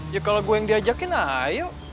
ya kalau gue yang diajakin ah ayo